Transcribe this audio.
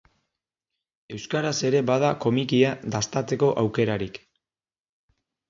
Euskaraz ere bada komikia dastatzeko aukerarik.